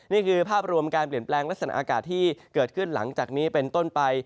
นี่คือภาพรวมการเปลี่ยนแปลงลักษณะอากาศที่เกิดขึ้นหลังจากนี้เป็นต้นไป